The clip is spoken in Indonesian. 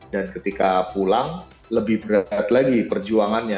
dan ketika pulang lebih berat lagi perjuangannya